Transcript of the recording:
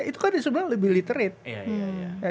itu kan disebutnya lebih literate